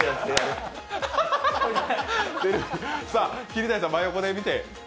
桐谷さん、真横で見て。